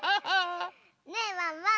ねえワンワン！